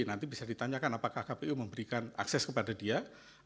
nanti bisa ditanyakan apakah kpu memberikan akses kepada dia